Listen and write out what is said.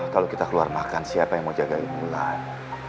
kalo kita keluar makan siapa yang mau jagain mulan